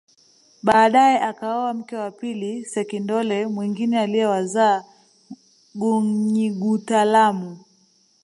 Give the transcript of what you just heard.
Baadae akaoa mke wa pili sekindole mwingine aliyewazaa Gunyigutalamu